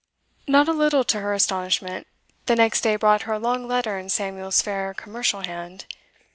Not a little to her astonishment, the next day brought her a long letter in Samuel's fair commercial hand.